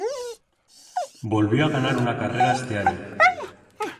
Volvió a ganar una carrera este año.